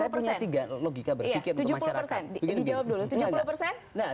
saya punya tiga logika berpikir untuk masyarakat